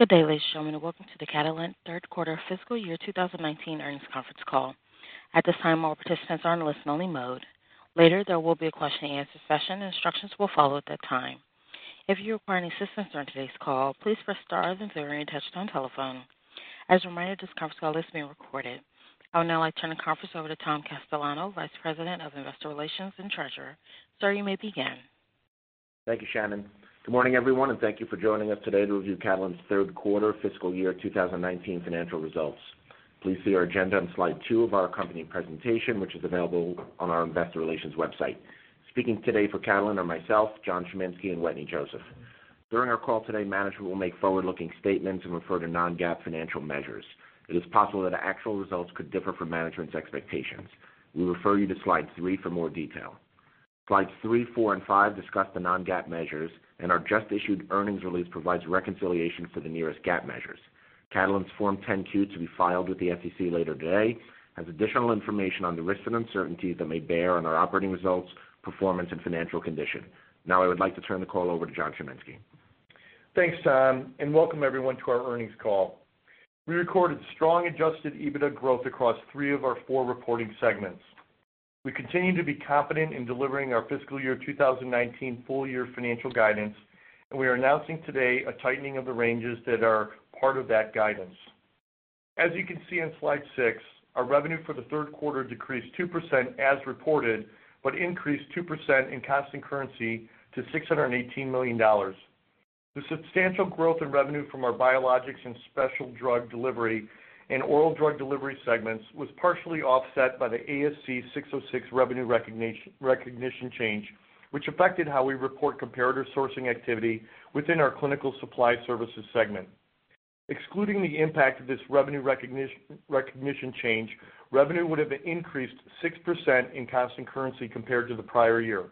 Good day, ladies and gentlemen. Welcome to the Catalent third quarter fiscal year 2019 earnings conference call. At this time, all participants are in listen-only mode. Later, there will be a question-and-answer session, and instructions will follow at that time. If you require any assistance during today's call, please press star, then zero on your touchtone telephone. As a reminder, this conference call is being recorded. I would now like to turn the conference over to Tom Castellano, Vice President of Investor Relations and Treasurer. Sir, you may begin. Thank you, Shannon. Good morning, everyone, and thank you for joining us today to review Catalent's third quarter fiscal year 2019 financial results. Please see our agenda on slide two of our company presentation, which is available on our Investor Relations website. Speaking today for Catalent are myself, John Chiminski, and Wetteny Joseph. During our call today, management will make forward-looking statements and refer to non-GAAP financial measures. It is possible that actual results could differ from management's expectations. We refer you to slide three for more detail. Slides three, four, and five discuss the non-GAAP measures, and our just-issued earnings release provides reconciliation for the nearest GAAP measures. Catalent's Form 10-Q to be filed with the SEC later today has additional information on the risks and uncertainties that may bear on our operating results, performance, and financial condition. Now, I would like to turn the call over to John Chiminski. Thanks, Tom, and welcome everyone to our earnings call. We recorded strong Adjusted EBITDA growth across three of our four reporting segments. We continue to be confident in delivering our fiscal year 2019 full-year financial guidance, and we are announcing today a tightening of the ranges that are part of that guidance. As you can see on Slide 6, our revenue for the third quarter decreased 2% as reported but increased 2% in constant currency to $618 million. The substantial growth in revenue from our biologics and specialty drug delivery and oral drug delivery segments was partially offset by the ASC 606 revenue recognition change, which affected how we report comparator sourcing activity within our clinical supply services segment. Excluding the impact of this revenue recognition change, revenue would have increased 6% in constant currency compared to the prior year.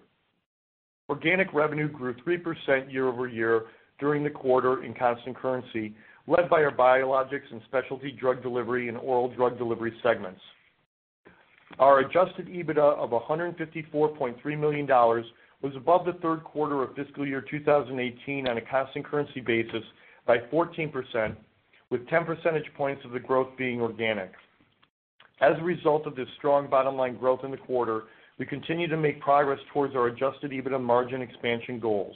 Organic revenue grew 3% year-over-year during the quarter in constant currency, led by our biologics and specialty drug delivery and oral drug delivery segments. Our adjusted EBITDA of $154.3 million was above the third quarter of fiscal year 2018 on a constant currency basis by 14%, with 10 percentage points of the growth being organic. As a result of this strong bottom line growth in the quarter, we continue to make progress towards our adjusted EBITDA margin expansion goals.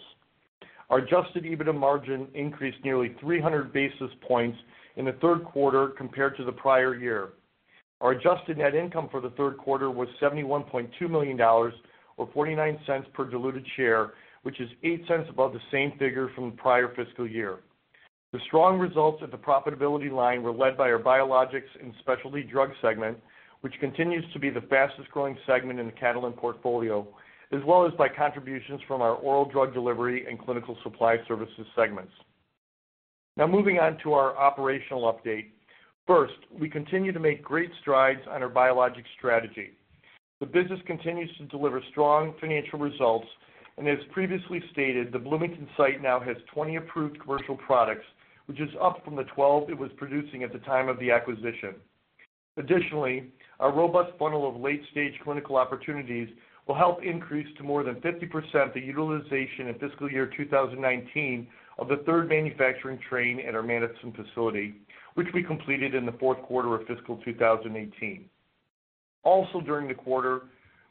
Our adjusted EBITDA margin increased nearly 300 basis points in the third quarter compared to the prior year. Our adjusted net income for the third quarter was $71.2 million, or $0.49 per diluted share, which is $0.08 above the same figure from the prior fiscal year. The strong results at the profitability line were led by our biologics and specialty drug segment, which continues to be the fastest growing segment in the Catalent portfolio, as well as by contributions from our oral drug delivery and clinical supply services segments. Now, moving on to our operational update. First, we continue to make great strides on our biologics strategy. The business continues to deliver strong financial results, and as previously stated, the Bloomington site now has 20 approved commercial products, which is up from the 12 it was producing at the time of the acquisition. Additionally, our robust funnel of late-stage clinical opportunities will help increase to more than 50% the utilization in fiscal year 2019 of the third manufacturing train at our Madison facility, which we completed in the fourth quarter of fiscal 2018. Also, during the quarter,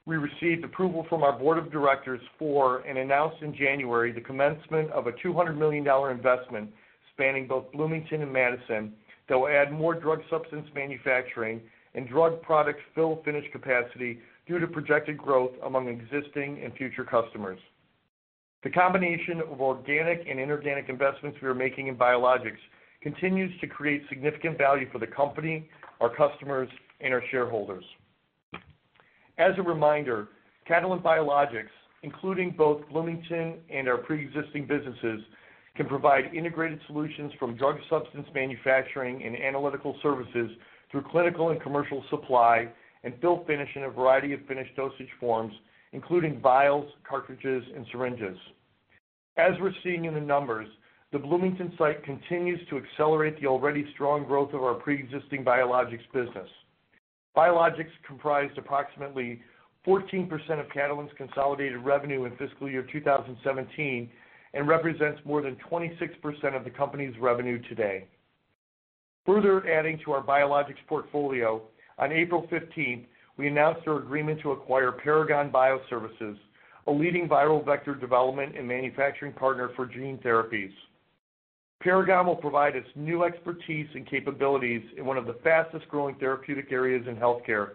we received approval from our Board of Directors for, and announced in January, the commencement of a $200 million investment spanning both Bloomington and Madison that will add more drug substance manufacturing and drug product fill finish capacity due to projected growth among existing and future customers. The combination of organic and inorganic investments we are making in biologics continues to create significant value for the company, our customers, and our shareholders. As a reminder, Catalent Biologics, including both Bloomington and our pre-existing businesses, can provide integrated solutions from drug substance manufacturing and analytical services through clinical and commercial supply and fill finish in a variety of finished dosage forms, including vials, cartridges, and syringes. As we're seeing in the numbers, the Bloomington site continues to accelerate the already strong growth of our pre-existing biologics business. Biologics comprised approximately 14% of Catalent's consolidated revenue in fiscal year 2017 and represents more than 26% of the company's revenue today. Further adding to our biologics portfolio, on April 15th, we announced our agreement to acquire Paragon Bioservices, a leading viral vector development and manufacturing partner for gene therapies. Paragon will provide us new expertise and capabilities in one of the fastest growing therapeutic areas in healthcare,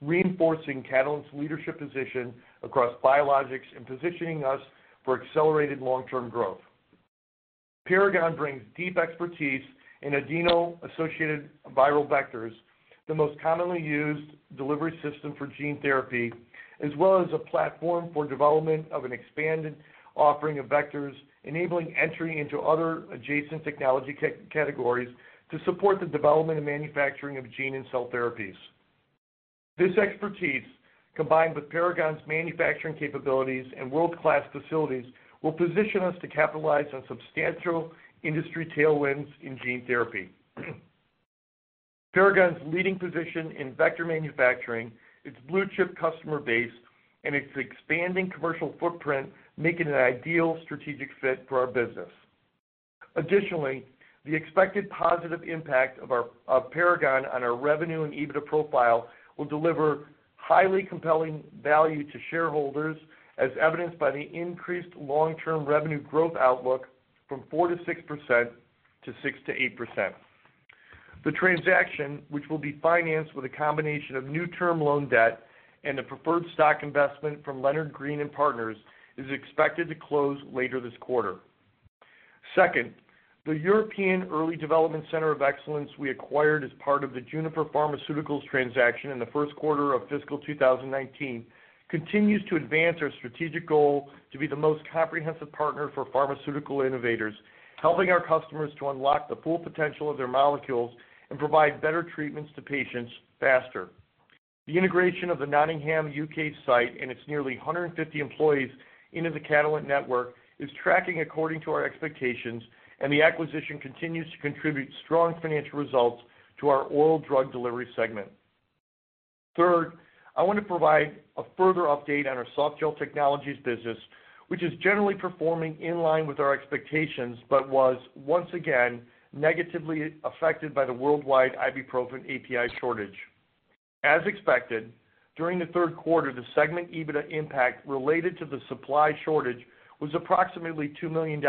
reinforcing Catalent's leadership position across biologics and positioning us for accelerated long-term growth. Paragon brings deep expertise in adeno-associated viral vectors, the most commonly used delivery system for gene therapy, as well as a platform for development of an expanded offering of vectors enabling entry into other adjacent technology categories to support the development and manufacturing of gene and cell therapies. This expertise, combined with Paragon's manufacturing capabilities and world-class facilities, will position us to capitalize on substantial industry tailwinds in gene therapy. Paragon's leading position in vector manufacturing, its blue-chip customer base, and its expanding commercial footprint make it an ideal strategic fit for our business. Additionally, the expected positive impact of Paragon on our revenue and EBITDA profile will deliver highly compelling value to shareholders, as evidenced by the increased long-term revenue growth outlook from 46%-68%. The transaction, which will be financed with a combination of new-term loan debt and a preferred stock investment from Leonard Green & Partners, is expected to close later this quarter. Second, the European Early Development Center of Excellence we acquired as part of the Juniper Pharmaceuticals transaction in the first quarter of fiscal 2019 continues to advance our strategic goal to be the most comprehensive partner for pharmaceutical innovators, helping our customers to unlock the full potential of their molecules and provide better treatments to patients faster. The integration of the Nottingham U.K. site and its nearly 150 employees into the Catalent network is tracking according to our expectations, and the acquisition continues to contribute strong financial results to our oral drug delivery segment. Third, I want to provide a further update on our Softgel Technologies business, which is generally performing in line with our expectations but was, once again, negatively affected by the worldwide ibuprofen API shortage. As expected, during the third quarter, the segment EBITDA impact related to the supply shortage was approximately $2 million,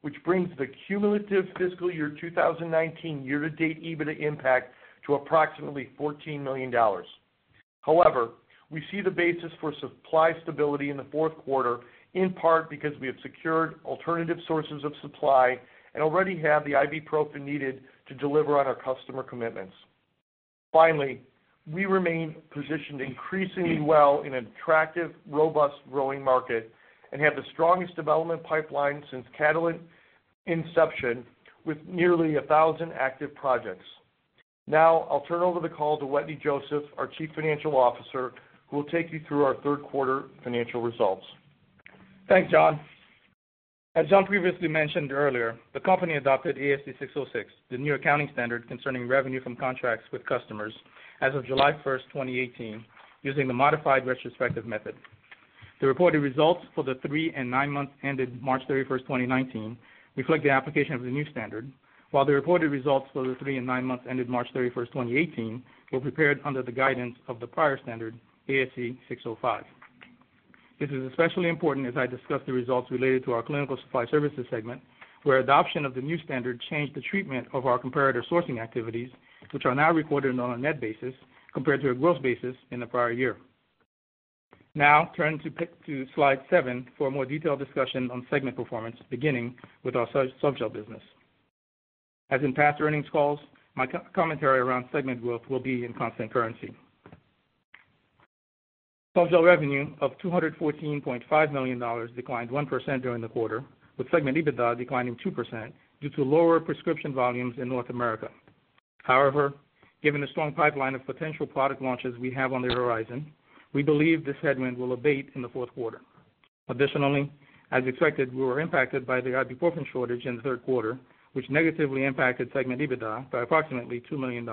which brings the cumulative fiscal year 2019 year-to-date EBITDA impact to approximately $14 million. However, we see the basis for supply stability in the fourth quarter, in part because we have secured alternative sources of supply and already have the ibuprofen needed to deliver on our customer commitments. Finally, we remain positioned increasingly well in an attractive, robust growing market and have the strongest development pipeline since Catalent inception, with nearly 1,000 active projects. Now, I'll turn over the call to Wetteny Joseph, our Chief Financial Officer, who will take you through our third quarter financial results. Thanks, John. As John previously mentioned earlier, the company adopted ASC 606, the new accounting standard concerning revenue from contracts with customers, as of July 1st, 2018, using the modified retrospective method. The reported results for the three and nine months ended March 31st, 2019, reflect the application of the new standard, while the reported results for the three and nine months ended March 31st, 2018, were prepared under the guidance of the prior standard, ASC 605. This is especially important as I discuss the results related to our clinical supply services segment, where adoption of the new standard changed the treatment of our comparator sourcing activities, which are now recorded on a net basis compared to a gross basis in the prior year. Now, turn to slide seven for a more detailed discussion on segment performance, beginning with our Softgel business. As in past earnings calls, my commentary around segment growth will be in constant currency. Softgel revenue of $214.5 million declined 1% during the quarter, with segment EBITDA declining 2% due to lower prescription volumes in North America. However, given the strong pipeline of potential product launches we have on the horizon, we believe this segment will abate in the fourth quarter. Additionally, as expected, we were impacted by the ibuprofen shortage in the third quarter, which negatively impacted segment EBITDA by approximately $2 million.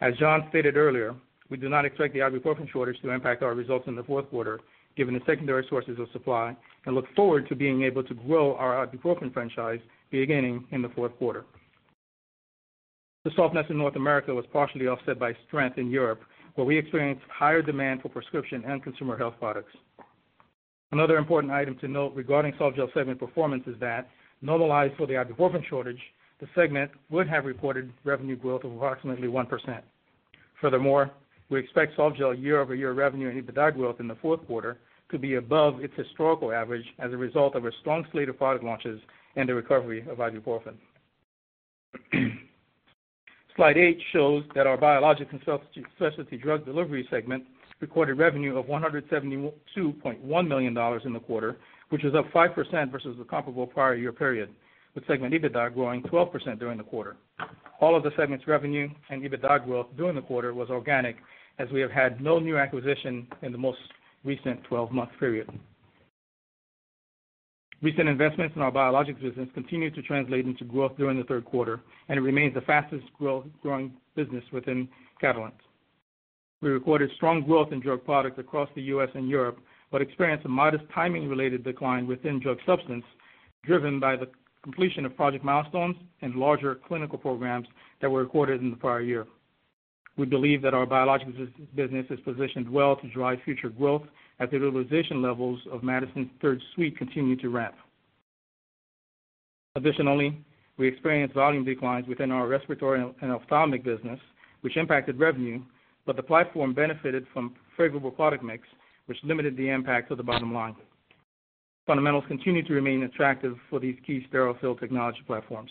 As John stated earlier, we do not expect the ibuprofen shortage to impact our results in the fourth quarter, given the secondary sources of supply, and look forward to being able to grow our ibuprofen franchise beginning in the fourth quarter. The softness in North America was partially offset by strength in Europe, where we experienced higher demand for prescription and consumer health products. Another important item to note regarding Softgel segment performance is that, normalized for the ibuprofen shortage, the segment would have reported revenue growth of approximately 1%. Furthermore, we expect Softgel year-over-year revenue and EBITDA growth in the fourth quarter to be above its historical average as a result of a strong slate of product launches and the recovery of ibuprofen. Slide eight shows that our Biologics and Specialty Drug Delivery segment recorded revenue of $172.1 million in the quarter, which was up 5% versus the comparable prior year period, with segment EBITDA growing 12% during the quarter. All of the segment's revenue and EBITDA growth during the quarter was organic, as we have had no new acquisition in the most recent 12-month period. Recent investments in our biologics business continue to translate into growth during the third quarter, and it remains the fastest growing business within Catalent. We recorded strong growth in drug products across the U.S. and Europe but experienced a modest timing-related decline within drug substance, driven by the completion of project milestones and larger clinical programs that were recorded in the prior year. We believe that our biologics business is positioned well to drive future growth as the utilization levels of Madison's third suite continue to ramp. Additionally, we experienced volume declines within our respiratory and ophthalmic business, which impacted revenue, but the platform benefited from favorable product mix, which limited the impact to the bottom line. Fundamentals continue to remain attractive for these key sterile fill technology platforms.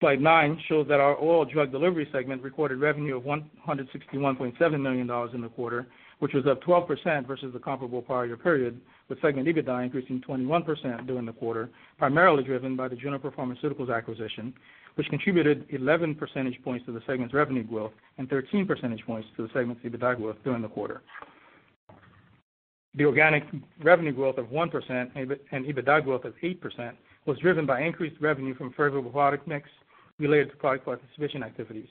Slide nine shows that our oral drug delivery segment recorded revenue of $161.7 million in the quarter, which was up 12% versus the comparable prior year period, with segment EBITDA increasing 21% during the quarter, primarily driven by the Juniper Pharmaceuticals acquisition, which contributed 11 percentage points to the segment's revenue growth and 13 percentage points to the segment's EBITDA growth during the quarter. The organic revenue growth of 1% and EBITDA growth of 8% was driven by increased revenue from favorable product mix related to product participation activities,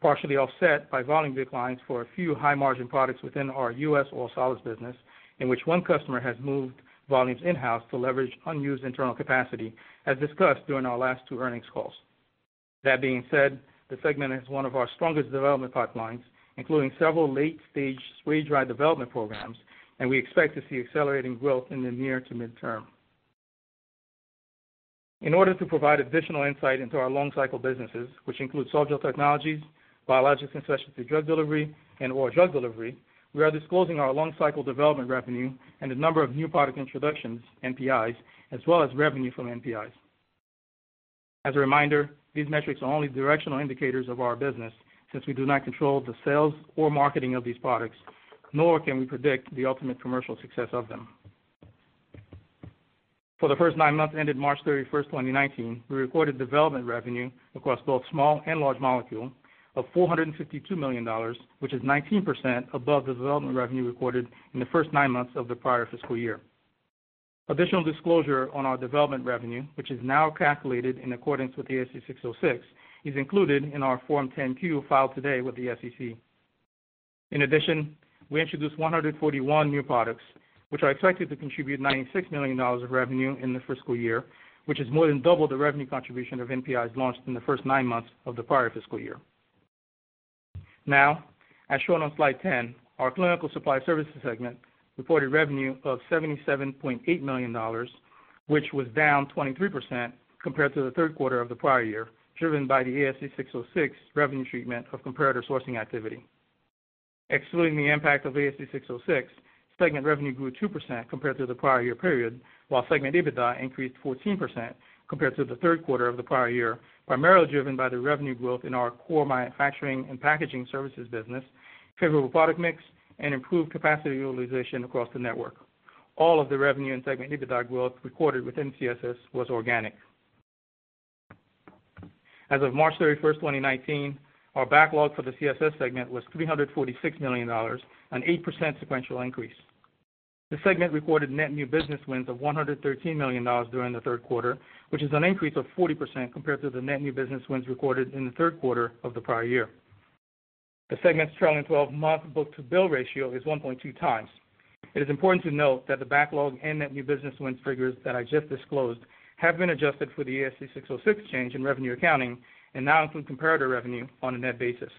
partially offset by volume declines for a few high-margin products within our U.S. oral solids business, in which one customer has moved volumes in-house to leverage unused internal capacity, as discussed during our last two earnings calls. That being said, the segment has one of our strongest development pipelines, including several late-stage spray dry development programs, and we expect to see accelerating growth in the near to midterm. In order to provide additional insight into our long-cycle businesses, which include Softgel technologies, biologics and specialty drug delivery, and oral drug delivery, we are disclosing our long-cycle development revenue and the number of new product introductions, NPIs, as well as revenue from NPIs. As a reminder, these metrics are only directional indicators of our business, since we do not control the sales or marketing of these products, nor can we predict the ultimate commercial success of them. For the first nine months ended March 31st, 2019, we recorded development revenue across both small and large molecule of $452 million, which is 19% above the development revenue recorded in the first nine months of the prior fiscal year. Additional disclosure on our development revenue, which is now calculated in accordance with ASC 606, is included in our Form 10-Q filed today with the SEC. In addition, we introduced 141 new products, which are expected to contribute $96 million of revenue in the fiscal year, which is more than double the revenue contribution of NPIs launched in the first nine months of the prior fiscal year. Now, as shown on Slide 10, our clinical supply services segment reported revenue of $77.8 million, which was down 23% compared to the third quarter of the prior year, driven by the ASC 606 revenue treatment of comparator sourcing activity. Excluding the impact of ASC 606, segment revenue grew 2% compared to the prior year period, while segment EBITDA increased 14% compared to the third quarter of the prior year, primarily driven by the revenue growth in our core manufacturing and packaging services business, favorable product mix, and improved capacity utilization across the network. All of the revenue and segment EBITDA growth recorded within CSS was organic. As of March 31st, 2019, our backlog for the CSS segment was $346 million, an 8% sequential increase. The segment recorded net new business wins of $113 million during the third quarter, which is an increase of 40% compared to the net new business wins recorded in the third quarter of the prior year. The segment's trailing 12-month book-to-bill ratio is 1.2x. It is important to note that the backlog and net new business wins figures that I just disclosed have been adjusted for the ASC 606 change in revenue accounting and now include comparator revenue on a net basis.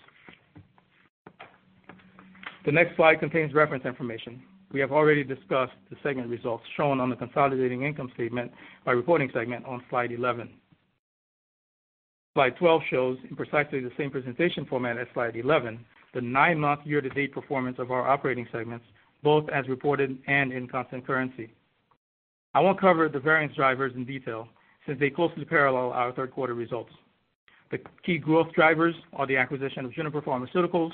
The next slide contains reference information. We have already discussed the segment results shown on the consolidated income statement by reporting segment on Slide 11. Slide 12 shows, in precisely the same presentation format as Slide 11, the nine-month year-to-date performance of our operating segments, both as reported and in constant currency. I won't cover the variance drivers in detail since they closely parallel our third-quarter results. The key growth drivers are the acquisition of Juniper Pharmaceuticals,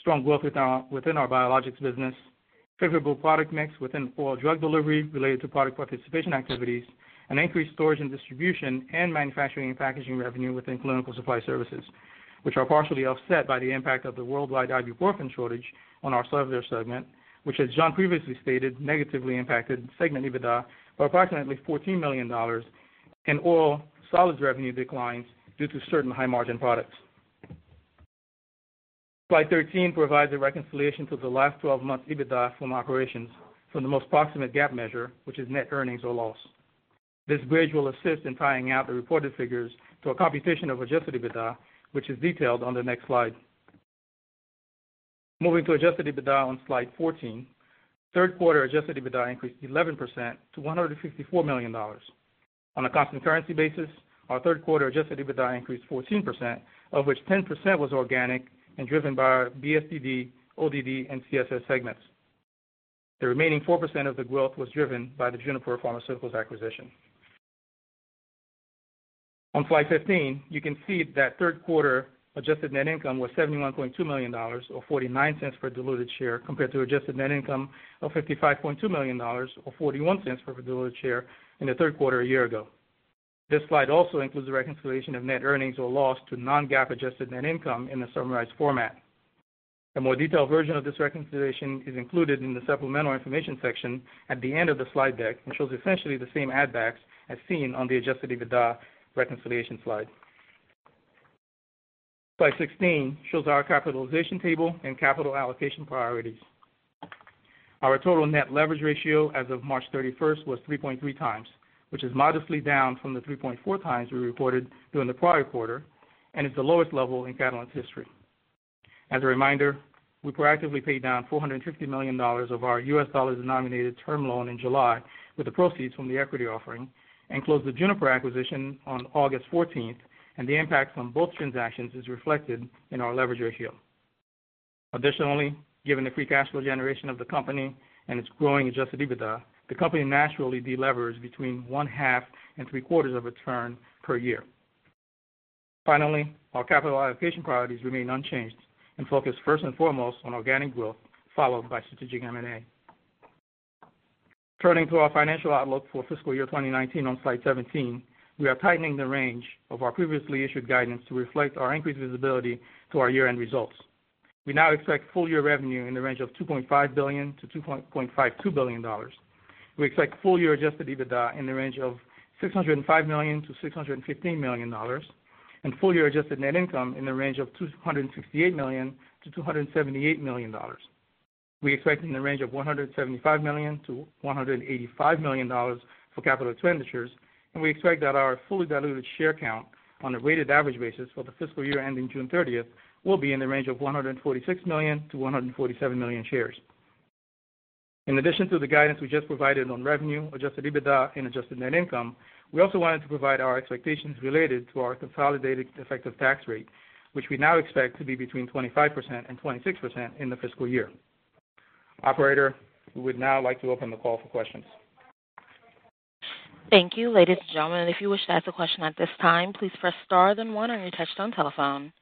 strong growth within our biologics business, favorable product mix within oral drug delivery related to product participation activities, and increased storage and distribution and manufacturing and packaging revenue within clinical supply services, which are partially offset by the impact of the worldwide ibuprofen shortage on our Softgel segment, which, as John previously stated, negatively impacted segment EBITDA by approximately $14 million in oral solids revenue declines due to certain high-margin products. Slide 13 provides a reconciliation to the last 12-month EBITDA from operations for the most proximate GAAP measure, which is net earnings or loss. This bridge will assist in tying out the reported figures to a computation of adjusted EBITDA, which is detailed on the next slide. Moving to adjusted EBITDA on Slide 14, third-quarter adjusted EBITDA increased 11% to $154 million. On a constant currency basis, our third-quarter adjusted EBITDA increased 14%, of which 10% was organic and driven by our BSDD, ODD, and CSS segments. The remaining 4% of the growth was driven by the Juniper Pharmaceuticals acquisition. On slide 15, you can see that third-quarter adjusted net income was $71.2 million, or $0.49 per diluted share, compared to adjusted net income of $55.2 million, or $0.41 per diluted share, in the third quarter a year ago. This slide also includes the reconciliation of net earnings or loss to non-GAAP adjusted net income in the summarized format. A more detailed version of this reconciliation is included in the supplemental information section at the end of the slide deck and shows essentially the same add-backs as seen on the adjusted EBITDA reconciliation slide. Slide 16 shows our capitalization table and capital allocation priorities. Our total net leverage ratio as of March 31st was 3.3x, which is modestly down from the 3.4x we reported during the prior quarter and is the lowest level in Catalent's history. As a reminder, we proactively paid down $450 million of our U.S. dollars-denominated term loan in July with the proceeds from the equity offering and closed the Juniper acquisition on August 14th, and the impact from both transactions is reflected in our leverage ratio. Additionally, given the free cash flow generation of the company and its growing Adjusted EBITDA, the company naturally delevers between one-half and three-quarters of a turn per year. Finally, our capital allocation priorities remain unchanged and focus first and foremost on organic growth, followed by strategic M&A. Turning to our financial outlook for fiscal year 2019 on Slide 17, we are tightening the range of our previously issued guidance to reflect our increased visibility to our year-end results. We now expect full-year revenue in the range of $2.5 billion-$2.52 billion. We expect full-year adjusted EBITDA in the range of $605 million-$615 million, and full-year adjusted net income in the range of $268 million-$278 million. We expect in the range of $175 million-$185 million for capital expenditures, and we expect that our fully diluted share count on a weighted average basis for the fiscal year ending June 30th will be in the range of 146 million-147 million shares. In addition to the guidance we just provided on revenue, adjusted EBITDA, and adjusted net income, we also wanted to provide our expectations related to our consolidated effective tax rate, which we now expect to be between 25% and 26% in the fiscal year. Operator, we would now like to open the call for questions. Thank you, ladies and gentlemen. If you wish to ask a question at this time, please press star then one on your touch-tone telephone.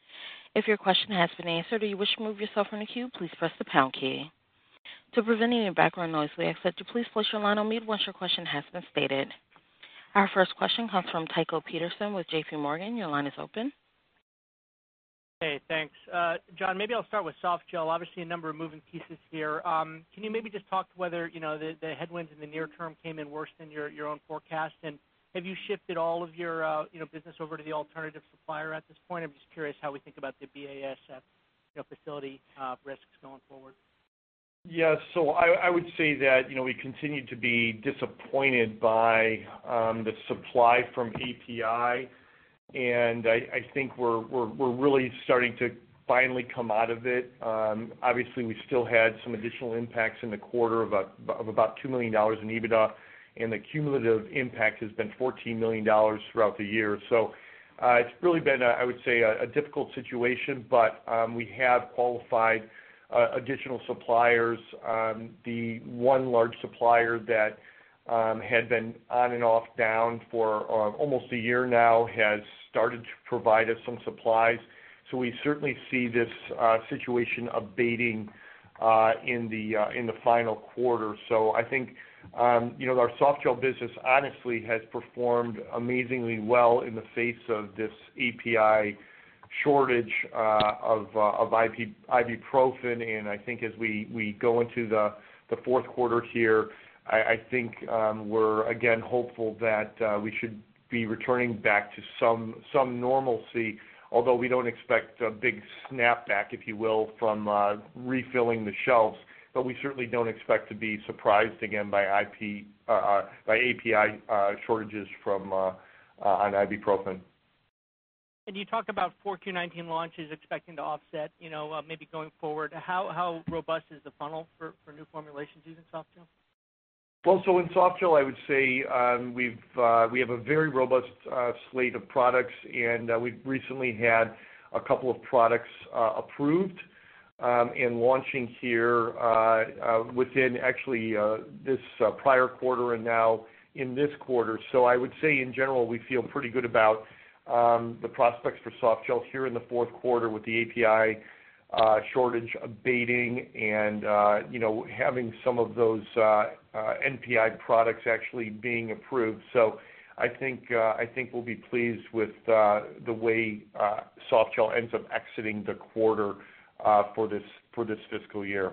If your question has been answered or you wish to move yourself in a queue, please press the pound key. To prevent any background noise, we ask that you please place your line on mute once your question has been stated. Our first question comes from Tycho Peterson with J.P. Morgan. Your line is open. Hey, thanks. John, maybe I'll start with Softgel. Obviously, a number of moving pieces here. Can you maybe just talk to whether the headwinds in the near term came in worse than your own forecast? And have you shifted all of your business over to the alternative supplier at this point? I'm just curious how we think about the BASF facility risks going forward. Yes. So I would say that we continue to be disappointed by the supply from API, and I think we're really starting to finally come out of it. Obviously, we still had some additional impacts in the quarter of about $2 million in EBITDA, and the cumulative impact has been $14 million throughout the year. So it's really been, I would say, a difficult situation, but we have qualified additional suppliers. The one large supplier that had been on and off down for almost a year now has started to provide us some supplies. So we certainly see this situation abating in the final quarter. So I think our softgel business honestly has performed amazingly well in the face of this API shortage of ibuprofen. And I think as we go into the fourth quarter here, I think we're again hopeful that we should be returning back to some normalcy, although we don't expect a big snapback, if you will, from refilling the shelves. But we certainly don't expect to be surprised again by API shortages on ibuprofen. And you talked about 4Q 2019 launches expecting to offset maybe going forward. How robust is the funnel for new formulations using Softgel? Well, so in Softgel, I would say we have a very robust slate of products, and we've recently had a couple of products approved and launching here within actually this prior quarter and now in this quarter. So I would say, in general, we feel pretty good about the prospects for Softgel here in the fourth quarter with the API shortage abating and having some of those NPI products actually being approved. So I think we'll be pleased with the way Softgel ends up exiting the quarter for this fiscal year.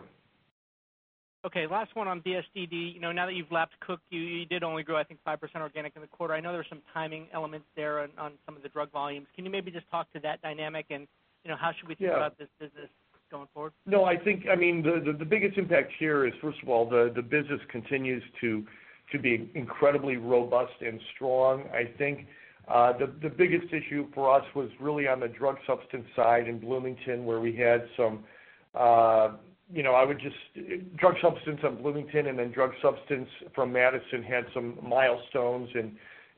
Okay. Last one on BSDD. Now that you've lapped Cook, you did only grow, I think, 5% organic in the quarter. I know there's some timing elements there on some of the drug volumes. Can you maybe just talk to that dynamic and how should we think about this business going forward? No, I think, I mean, the biggest impact here is, first of all, the business continues to be incredibly robust and strong. I think the biggest issue for us was really on the drug substance side in Bloomington, where we had some drug substance in Bloomington and then drug substance from Madison had some milestones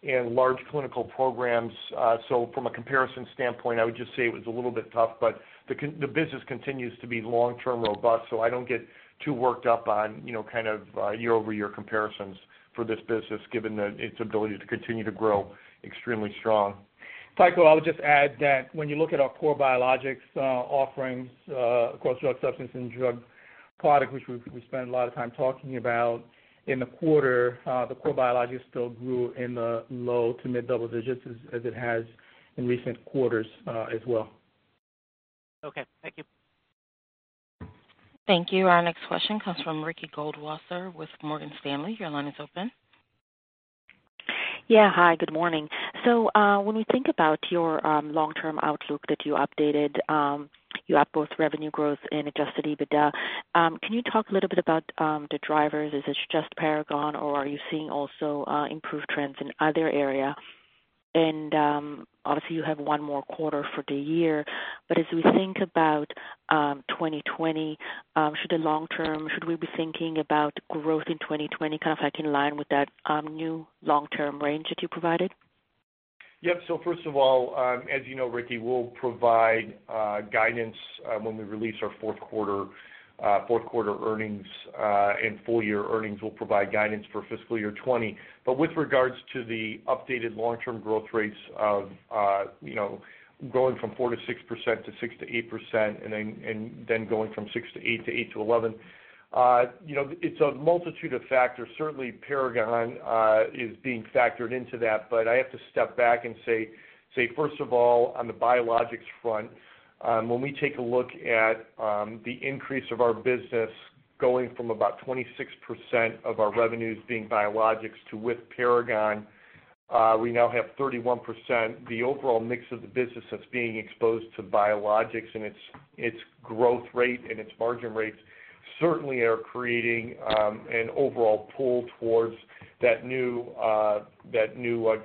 and large clinical programs. So from a comparison standpoint, I would just say it was a little bit tough, but the business continues to be long-term robust. So I don't get too worked up on kind of year-over-year comparisons for this business, given its ability to continue to grow extremely strong. Tycho, I would just add that when you look at our core biologics offerings across drug substance and drug product, which we spent a lot of time talking about in the quarter, the core biologics still grew in the low to mid double digits as it has in recent quarters as well. Okay. Thank you. Thank you. Our next question comes from Ricky Goldwasser with Morgan Stanley. Your line is open. Yeah. Hi. Good morning. So when we think about your long-term outlook that you updated, you have both revenue growth and Adjusted EBITDA. Can you talk a little bit about the drivers? Is it just Paragon, or are you seeing also improved trends in other areas? And obviously, you have one more quarter for the year. But as we think about 2020, should we be thinking about growth in 2020 kind of in line with that new long-term range that you provided? Yep. So first of all, as you know, Ricky, we'll provide guidance when we release our fourth quarter earnings and full-year earnings. We'll provide guidance for fiscal year 2020. But with regards to the updated long-term growth rates of going from 46%-68% and then going from 6%-8%, 8%-11%, it's a multitude of factors. Certainly, Paragon is being factored into that. But I have to step back and say, first of all, on the biologics front, when we take a look at the increase of our business going from about 26% of our revenues being biologics to with Paragon, we now have 31%. The overall mix of the business that's being exposed to biologics and its growth rate and its margin rates certainly are creating an overall pull towards that new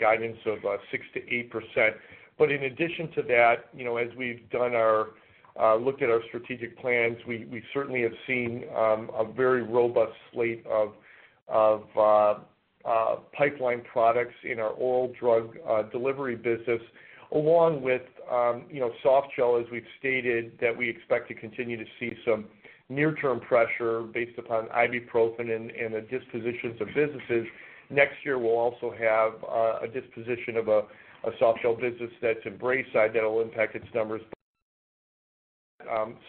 guidance of 6%-8%. But in addition to that, as we've looked at our strategic plans, we certainly have seen a very robust slate of pipeline products in our oral drug delivery business, along with Softgel, as we've stated, that we expect to continue to see some near-term pressure based upon ibuprofen and the dispositions of businesses. Next year, we'll also have a disposition of a Softgel business that's in Braeside that will impact its numbers.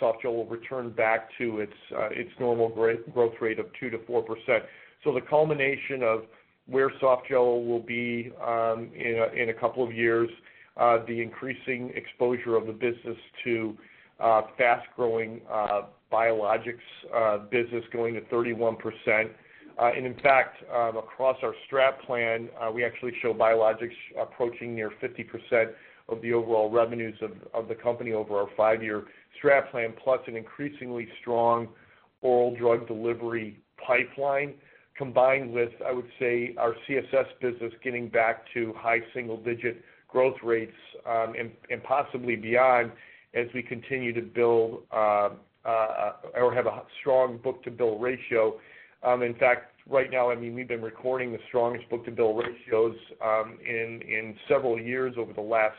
Softgel will return back to its normal growth rate of 2%-4%. So the culmination of where Softgel will be in a couple of years, the increasing exposure of the business to fast-growing biologics business going to 31%. And in fact, across our Strat plan, we actually show biologics approaching near 50% of the overall revenues of the company over our five-year strat plan, plus an increasingly strong oral drug delivery pipeline combined with, I would say, our CSS business getting back to high single-digit growth rates and possibly beyond as we continue to build or have a strong book-to-bill ratio. In fact, right now, I mean, we've been recording the strongest book-to-bill ratios in several years over the last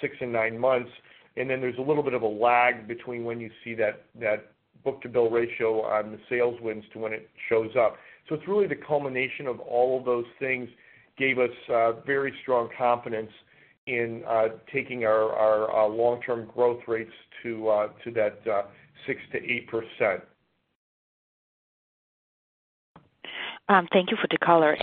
six and nine months. And then there's a little bit of a lag between when you see that book-to-bill ratio on the sales wins to when it shows up. So it's really the culmination of all of those things gave us very strong confidence in taking our long-term growth rates to that 6%-8%. Thank you for the color.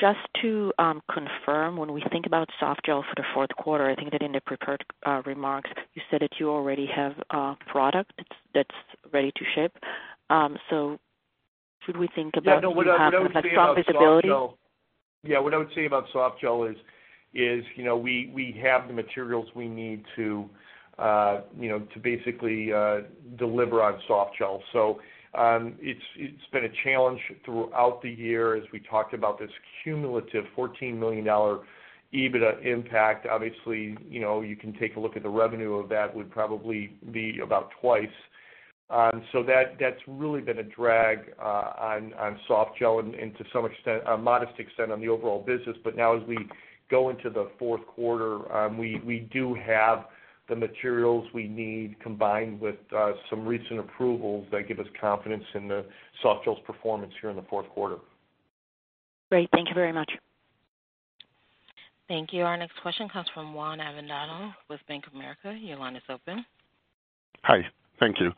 Just to confirm, when we think about Softgel for the fourth quarter, I think that in the prepared remarks, you said that you already have product that's ready to ship. So should we think about strong visibility? Yeah. What I would say about Softgel is we have the materials we need to basically deliver on Softgel. So it's been a challenge throughout the year as we talked about this cumulative $14 million EBITDA impact. Obviously, you can take a look at the revenue of that. It would probably be about twice. So that's really been a drag on Softgel and to some extent, a modest extent on the overall business. Now as we go into the fourth quarter, we do have the materials we need combined with some recent approvals that give us confidence in the Softgel's performance here in the fourth quarter. Great. Thank you very much. Thank you. Our next question comes from Juan Avendano with Bank of America. Your line is open. Hi. Thank you.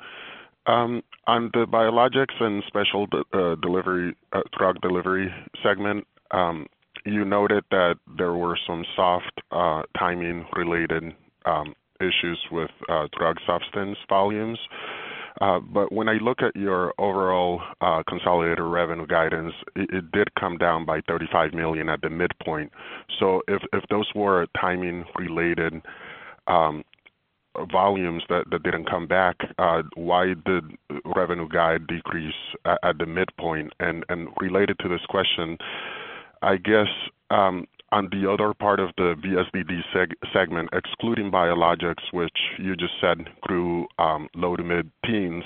On the biologics and specialty drug delivery segment, you noted that there were some soft timing-related issues with drug substance volumes. But when I look at your overall consolidated revenue guidance, it did come down by $35 million at the midpoint. So if those were timing-related volumes that didn't come back, why did revenue guidance decrease at the midpoint? And related to this question, I guess on the other part of the BSDD segment, excluding biologics, which you just said grew low- to mid-teens%,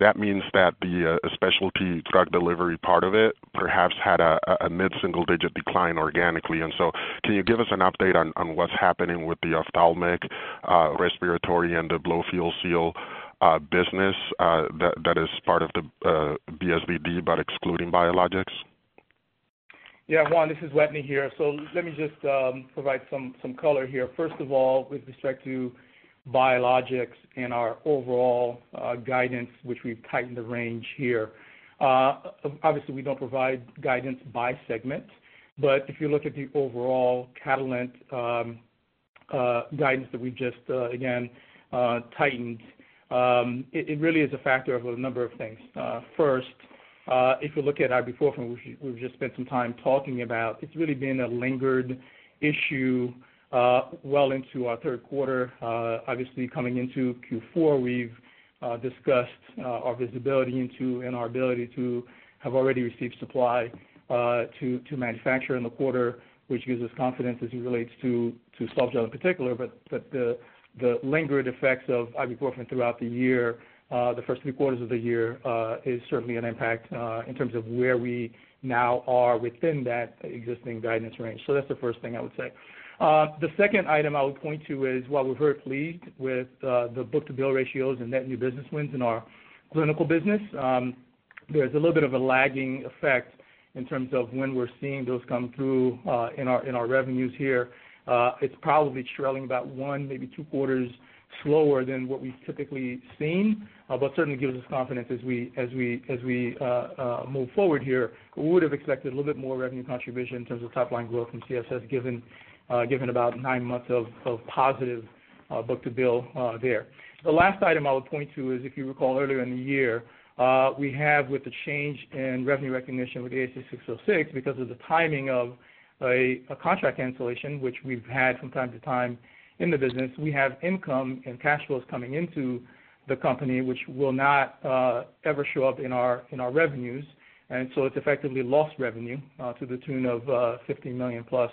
that means that the specialty drug delivery part of it perhaps had a mid-single-digit% decline organically. And so can you give us an update on what's happening with the ophthalmic, respiratory, and the blow-fill-seal business that is part of the BSDD but excluding biologics? Yeah. Juan, this is Wetteny here. So let me just provide some color here. First of all, with respect to biologics and our overall guidance, which we've tightened the range here, obviously, we don't provide guidance by segment. But if you look at the overall Catalent guidance that we've just, again, tightened, it really is a factor of a number of things. First, if you look at ibuprofen, which we've just spent some time talking about, it's really been a lingering issue well into our third quarter. Obviously, coming into Q4, we've discussed our visibility and our ability to have already received supply to manufacture in the quarter, which gives us confidence as it relates to softgel in particular. But the lingering effects of ibuprofen throughout the year, the first three quarters of the year, is certainly an impact in terms of where we now are within that existing guidance range. So that's the first thing I would say. The second item I would point to is, while we're very pleased with the book-to-bill ratios and net new business wins in our clinical business, there's a little bit of a lagging effect in terms of when we're seeing those come through in our revenues here. It's probably trailing about one, maybe two quarters slower than what we've typically seen, but certainly gives us confidence as we move forward here. We would have expected a little bit more revenue contribution in terms of top-line growth from CSS, given about nine months of positive book-to-bill there. The last item I would point to is, if you recall earlier in the year, we have, with the change in revenue recognition with ASC 606, because of the timing of a contract cancellation, which we've had from time to time in the business, we have income and cash flows coming into the company, which will not ever show up in our revenues. And so it's effectively lost revenue to the tune of $15 million plus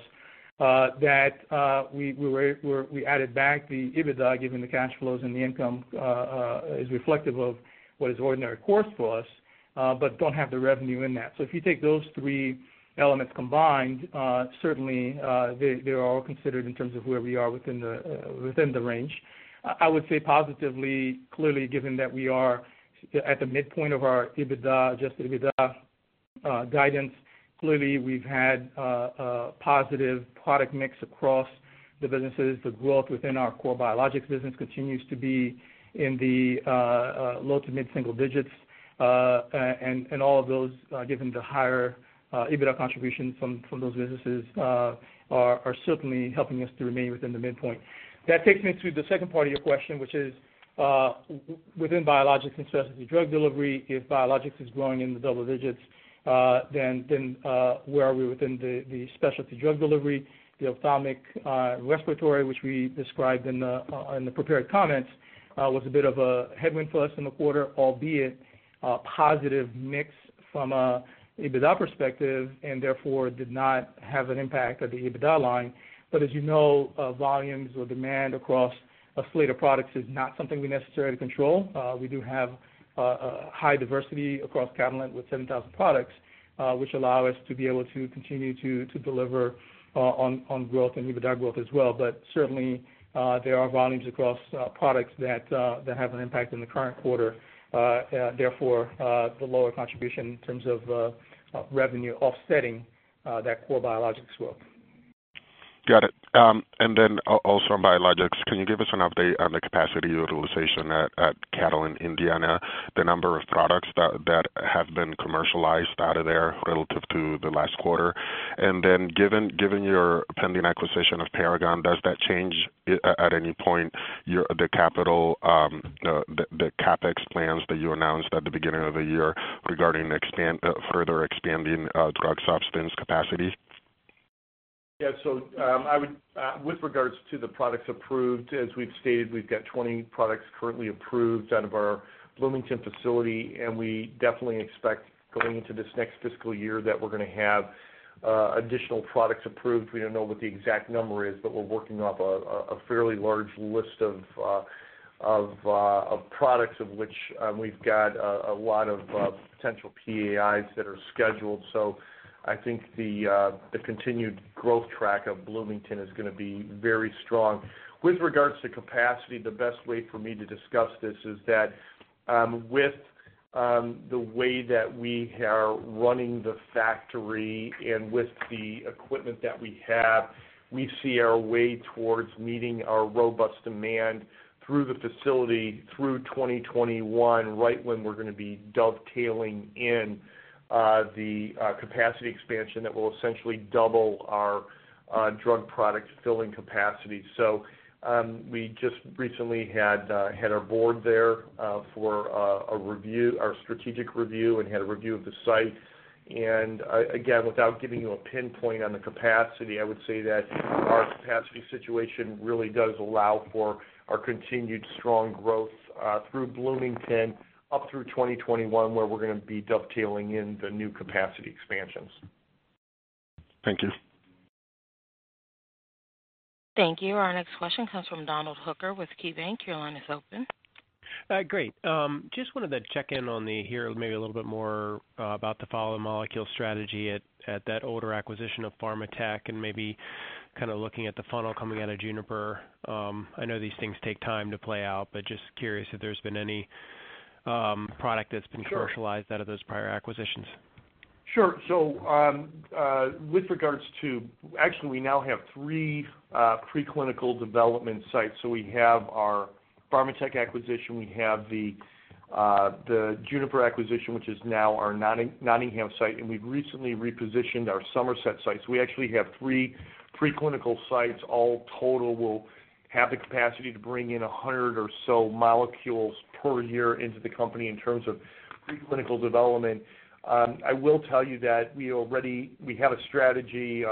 that we added back the EBITDA, given the cash flows and the income is reflective of what is ordinary course for us, but don't have the revenue in that. So if you take those three elements combined, certainly, they are all considered in terms of where we are within the range. I would say positively, clearly, given that we are at the midpoint of our Adjusted EBITDA guidance, clearly, we've had a positive product mix across the businesses. The growth within our core Biologics business continues to be in the low to mid-single digits, and all of those, given the higher EBITDA contributions from those businesses, are certainly helping us to remain within the midpoint. That takes me to the second part of your question, which is, within Biologics and Specialty Drug Delivery, if Biologics is growing in the double digits, then where are we within the specialty drug delivery? The ophthalmic respiratory, which we described in the prepared comments, was a bit of a headwind for us in the quarter, albeit a positive mix from an EBITDA perspective and therefore did not have an impact on the EBITDA line. But as you know, volumes or demand across a slate of products is not something we necessarily control. We do have high diversity across Catalent with 7,000 products, which allow us to be able to continue to deliver on growth and EBITDA growth as well. But certainly, there are volumes across products that have an impact in the current quarter. Therefore, the lower contribution in terms of revenue offsetting that core biologics growth. Got it. And then also on biologics, can you give us an update on the capacity utilization at Catalent, Indiana? The number of products that have been commercialized out of there relative to the last quarter. And then given your pending acquisition of Paragon, does that change at any point the capital, the CapEx plans that you announced at the beginning of the year regarding further expanding drug substance capacity? Yeah. So with regards to the products approved, as we've stated, we've got 20 products currently approved out of our Bloomington facility. And we definitely expect going into this next fiscal year that we're going to have additional products approved. We don't know what the exact number is, but we're working off a fairly large list of products, of which we've got a lot of potential PAIs that are scheduled. So I think the continued growth track of Bloomington is going to be very strong. With regards to capacity, the best way for me to discuss this is that with the way that we are running the factory and with the equipment that we have, we see our way towards meeting our robust demand through the facility through 2021, right when we're going to be dovetailing in the capacity expansion that will essentially double our drug product filling capacity. So we just recently had our board there for a strategic review and had a review of the site. And again, without giving you a pinpoint on the capacity, I would say that our capacity situation really does allow for our continued strong growth through Bloomington up through 2021, where we're going to be dovetailing in the new capacity expansions. Thank you. Thank you. Our next question comes from Donald Hooker with KeyBanc. Your line is open. Great. Just wanted to check in on there, maybe a little bit more about the follow-on molecule strategy at that older acquisition of Pharmatek and maybe kind of looking at the funnel coming out of Juniper. I know these things take time to play out, but just curious if there's been any product that's been commercialized out of those prior acquisitions. Sure. With regards to actually, we now have three preclinical development sites. We have our Pharmatek acquisition. We have the Juniper acquisition, which is now our Nottingham site. We've recently repositioned our Somerset site. We actually have three preclinical sites. All total will have the capacity to bring in 100 or so molecules per year into the company in terms of preclinical development. I will tell you that we have a strategy.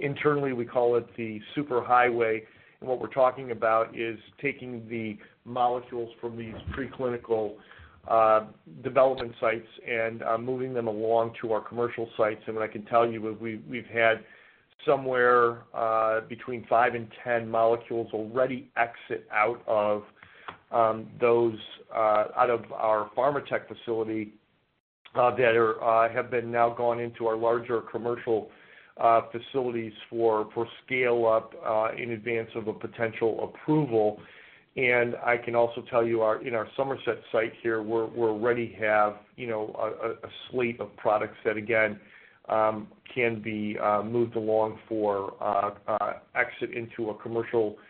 Internally, we call it the superhighway. What we're talking about is taking the molecules from these preclinical development sites and moving them along to our commercial sites. What I can tell you is we've had somewhere between five and 10 molecules already exit out of our Pharmatek facility that have been now gone into our larger commercial facilities for scale-up in advance of a potential approval. And I can also tell you in our Somerset site here, we already have a slate of products that, again, can be moved along for exit into a commercial facility.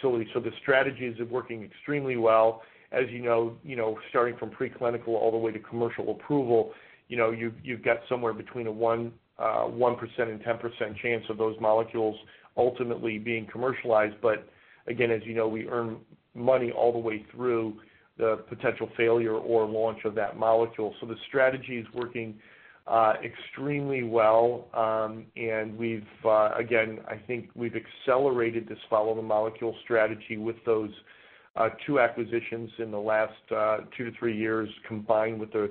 So the strategy is working extremely well. As you know, starting from preclinical all the way to commercial approval, you've got somewhere between a 1% and 10% chance of those molecules ultimately being commercialized. But again, as you know, we earn money all the way through the potential failure or launch of that molecule. So the strategy is working extremely well. And again, I think we've accelerated this follow-on molecule strategy with those two acquisitions in the last two to three years combined with the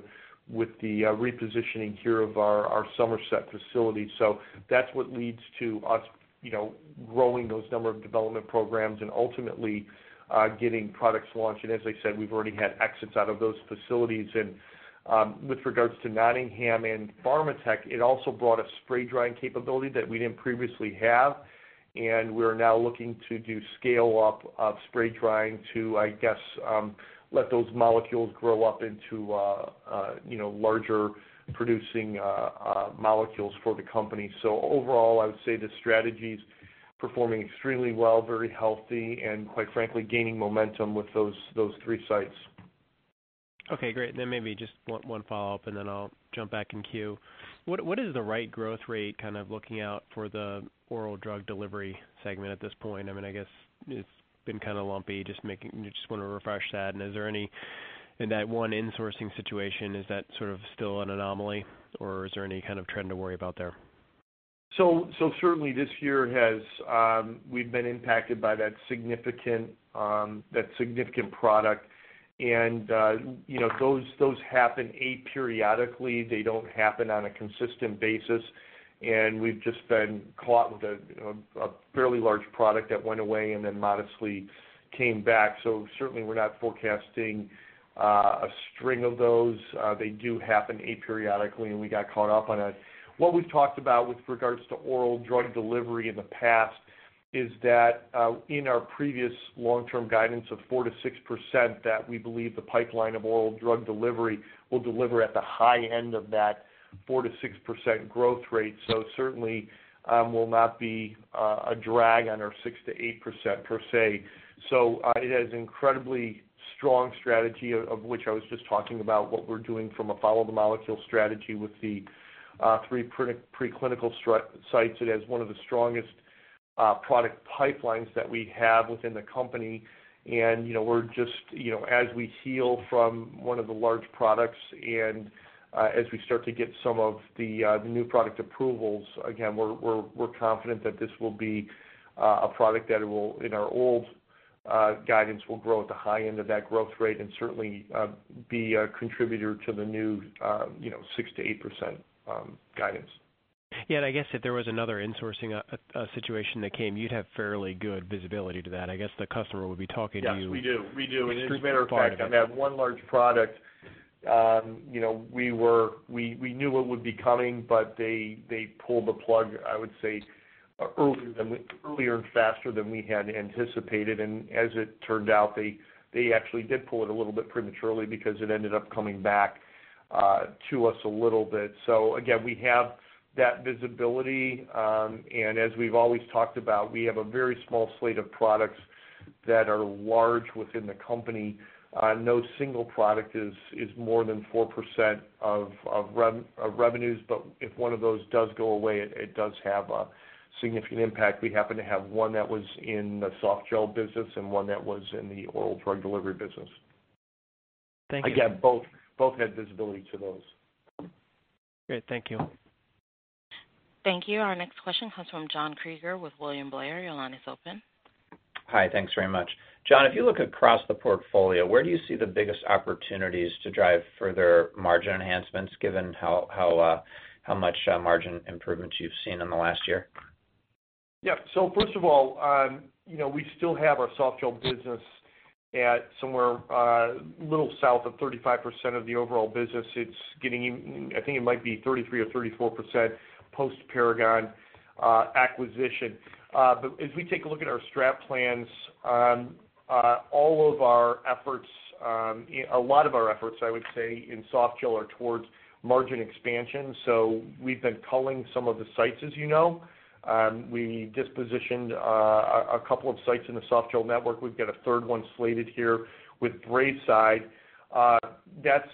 repositioning here of our Somerset facility. So that's what leads to us growing those number of development programs and ultimately getting products launched. And as I said, we've already had exits out of those facilities. And with regards to Nottingham and Pharmatek, it also brought a spray drying capability that we didn't previously have. And we're now looking to do scale-up of spray drying to, I guess, let those molecules grow up into larger producing molecules for the company. So overall, I would say the strategy is performing extremely well, very healthy, and quite frankly, gaining momentum with those three sites. Okay. Great. Then maybe just one follow-up, and then I'll jump back in queue. What is the right growth rate kind of looking out for the oral drug delivery segment at this point? I mean, I guess it's been kind of lumpy. Just want to refresh that. And is there any in that one insourcing situation, is that sort of still an anomaly, or is there any kind of trend to worry about there? So certainly, this year we've been impacted by that significant product. And those happen aperiodically. They don't happen on a consistent basis. And we've just been caught with a fairly large product that went away and then modestly came back. So certainly, we're not forecasting a string of those. They do happen aperiodically, and we got caught up on it. What we've talked about with regards to oral drug delivery in the past is that in our previous long-term guidance of 4%-6% that we believe the pipeline of oral drug delivery will deliver at the high end of that 4%-6% growth rate. So certainly, will not be a drag on our 6%-8% per se. So it has an incredibly strong strategy, of which I was just talking about what we're doing from a follow-on molecule strategy with the three preclinical sites. It has one of the strongest product pipelines that we have within the company. And we're just, as we heal from one of the large products and as we start to get some of the new product approvals, again, we're confident that this will be a product that, in our old guidance, will grow at the high end of that growth rate and certainly be a contributor to the new 6%-8% guidance. Yeah. And I guess if there was another insourcing situation that came, you'd have fairly good visibility to that. I guess the customer would be talking to you. Yes, we do. We do. And as you've verified, on that one large product, we knew what would be coming, but they pulled the plug, I would say, earlier and faster than we had anticipated. And as it turned out, they actually did pull it a little bit prematurely because it ended up coming back to us a little bit. So again, we have that visibility. And as we've always talked about, we have a very small slate of products that are large within the company. No single product is more than 4% of revenues. But if one of those does go away, it does have a significant impact. We happen to have one that was in the softgel business and one that was in the oral drug delivery business. Thank you. Again, both had visibility to those. Great. Thank you. Thank you. Our next question comes from John Kreger with William Blair. Your line is open. Hi. Thanks very much. John, if you look across the portfolio, where do you see the biggest opportunities to drive further margin enhancements, given how much margin improvements you've seen in the last year? Yeah. So first of all, we still have our softgel business at somewhere a little south of 35% of the overall business. It's getting, I think it might be 33% or 34% post-Paragon acquisition. But as we take a look at our strat plans, all of our efforts, a lot of our efforts, I would say, in softgel are towards margin expansion. So we've been culling some of the sites, as you know. We dispositioned a couple of sites in the softgel network. We've got a third one slated here with Braeside. That's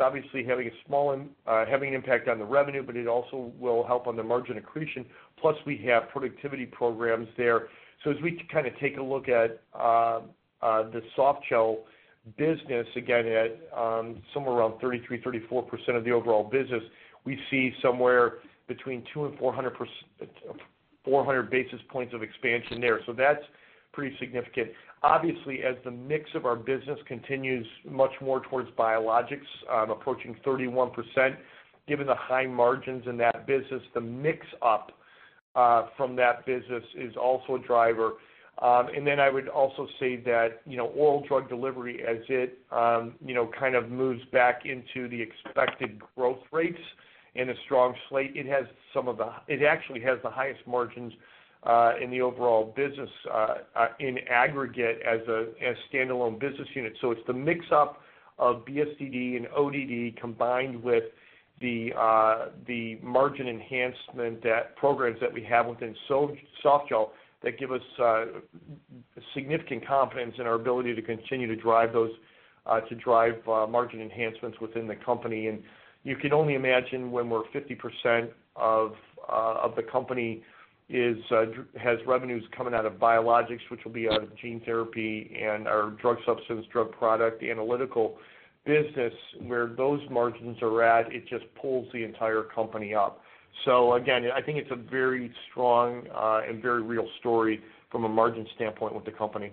obviously having a small impact on the revenue, but it also will help on the margin accretion. Plus, we have productivity programs there. So as we kind of take a look at the softgel business, again, at somewhere around 33%-34% of the overall business, we see somewhere between two and 400 basis points of expansion there. So that's pretty significant. Obviously, as the mix of our business continues much more towards biologics, approaching 31%, given the high margins in that business, the mix up from that business is also a driver. And then I would also say that oral drug delivery, as it kind of moves back into the expected growth rates and a strong slate, it has some of it; actually, it has the highest margins in the overall business in aggregate as a standalone business unit. So it's the mix up of BSDD and ODD combined with the margin enhancement programs that we have within softgel that give us significant confidence in our ability to continue to drive margin enhancements within the company. And you can only imagine when we're 50% of the company has revenues coming out of biologics, which will be out of gene therapy and our drug substance drug product analytical business, where those margins are at. It just pulls the entire company up. So again, I think it's a very strong and very real story from a margin standpoint with the company.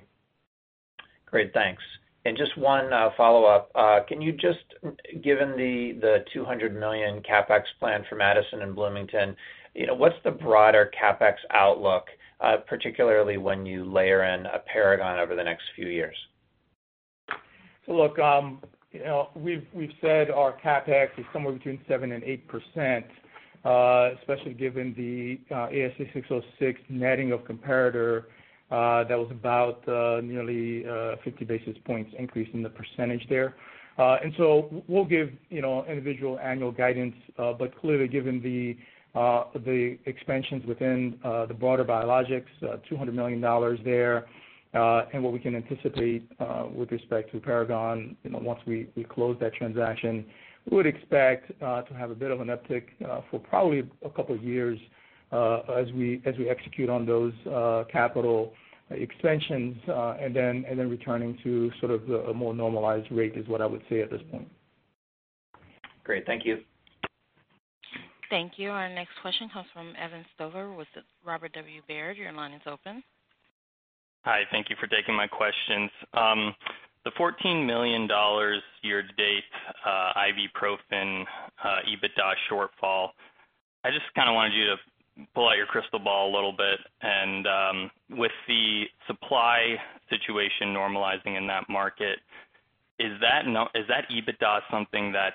Great. Thanks. And just one follow-up. Given the $200 million CapEx plan for Madison and Bloomington, what's the broader CapEx outlook, particularly when you layer in a Paragon over the next few years? So look, we've said our CapEx is somewhere between 7% and 8%, especially given the ASC 606 netting of comparators that was about nearly 50 basis points increase in the percentage there. And so we'll give individual annual guidance. But clearly, given the expansions within the broader biologics, $200 million there, and what we can anticipate with respect to Paragon once we close that transaction, we would expect to have a bit of an uptick for probably a couple of years as we execute on those capital expansions. And then returning to sort of a more normalized rate is what I would say at this point. Great. Thank you. Thank you. Our next question comes from Evan Stover with Robert W. Baird. Your line is open. Hi. Thank you for taking my questions. The $14 million year-to-date ibuprofen EBITDA shortfall. I just kind of wanted you to pull out your crystal ball a little bit and with the supply situation normalizing in that market, is that EBITDA something that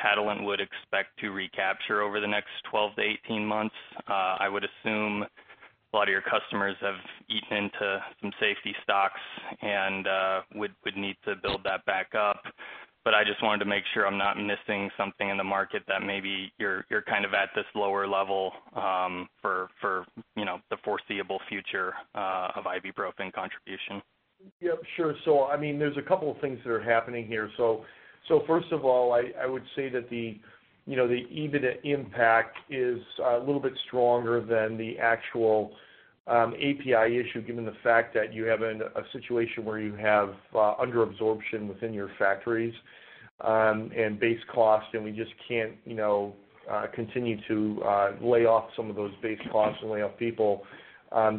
Catalent would expect to recapture over the next 12-18 months? I would assume a lot of your customers have eaten into some safety stocks and would need to build that back up, but I just wanted to make sure I'm not missing something in the market that maybe you're kind of at this lower level for the foreseeable future of ibuprofen contribution. Yep. Sure. So I mean, there's a couple of things that are happening here. So, first of all, I would say that the EBITDA impact is a little bit stronger than the actual API issue, given the fact that you have a situation where you have underabsorption within your factories and base cost, and we just can't continue to lay off some of those base costs and lay off people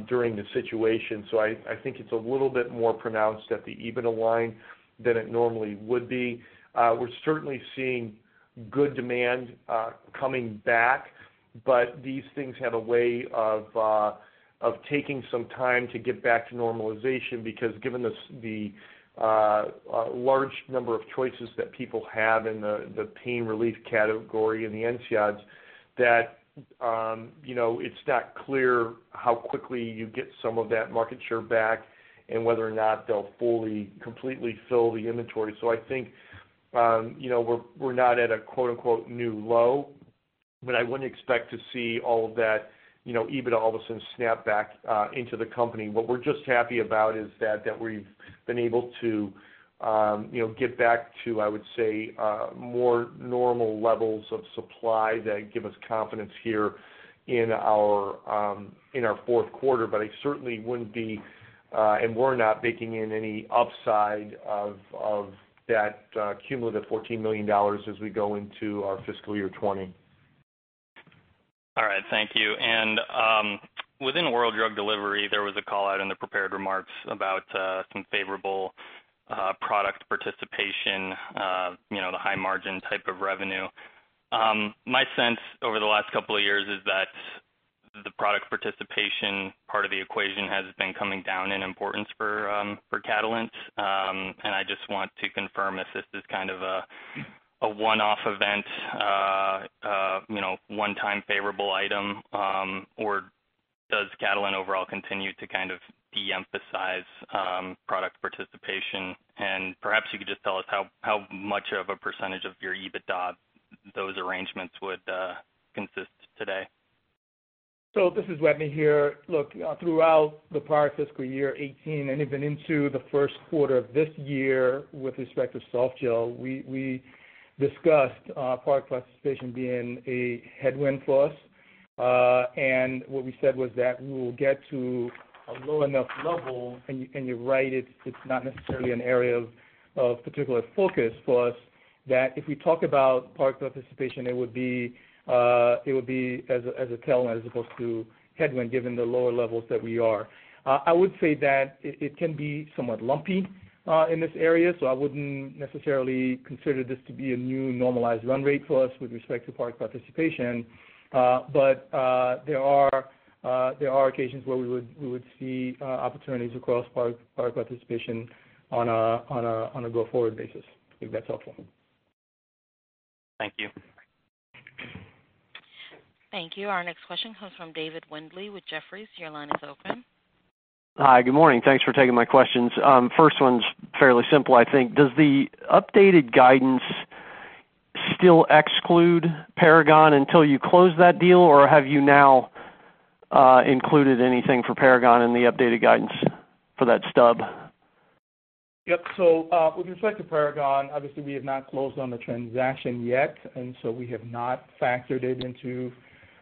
during the situation. So, I think it's a little bit more pronounced at the EBITDA line than it normally would be. We're certainly seeing good demand coming back, but these things have a way of taking some time to get back to normalization because, given the large number of choices that people have in the pain relief category and the NSAIDs, that it's not clear how quickly you get some of that market share back and whether or not they'll fully, completely fill the inventory. So I think we're not at a "new low," but I wouldn't expect to see all of that EBITDA all of a sudden snap back into the company. What we're just happy about is that we've been able to get back to, I would say, more normal levels of supply that give us confidence here in our fourth quarter. But I certainly wouldn't be and we're not baking in any upside of that cumulative $14 million as we go into our fiscal year 2020. All right. Thank you. And within oral drug delivery, there was a call-out in the prepared remarks about some favorable product participation, the high margin type of revenue. My sense over the last couple of years is that the product participation part of the equation has been coming down in importance for Catalent. I just want to confirm if this is kind of a one-off event, one-time favorable item, or does Catalent overall continue to kind of de-emphasize product participation? And perhaps you could just tell us how much of a percentage of your EBITDA those arrangements would consist today. So this is Wetteny here. Look, throughout the prior fiscal year 2018 and even into the first quarter of this year with respect to Softgel, we discussed product participation being a headwind for us. And what we said was that we will get to a low enough level, and you're right, it's not necessarily an area of particular focus for us, that if we talk about product participation, it would be as an asset as opposed to headwind given the lower levels that we are. I would say that it can be somewhat lumpy in this area. So I wouldn't necessarily consider this to be a new normalized run rate for us with respect to product participation. But there are occasions where we would see opportunities across product participation on a go-forward basis. I think that's helpful. Thank you. Thank you. Our next question comes from David Windley with Jefferies. Your line is open. Hi. Good morning. Thanks for taking my questions. First one's fairly simple, I think. Does the updated guidance still exclude Paragon until you close that deal, or have you now included anything for Paragon in the updated guidance for that stub? Yep. So with respect to Paragon, obviously, we have not closed on the transaction yet. And so we have not factored it into